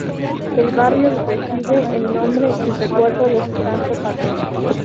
El barrio recibe el nombre en recuerdo de su santo patrón.